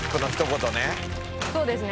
そうですね。